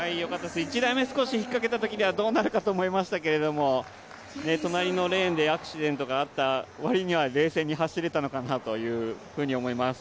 １台目、少し引っかけたときにはどうなるかと思いましたけれども、隣のレーンでアクシデントがあった割には冷静に走れたのかなというふうに思います。